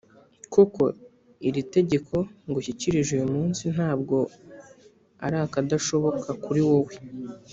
koko, iri tegeko ngushyikirije uyu munsi nta bwo ari akadashoboka kuri wowe,